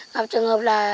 gặp trường hợp là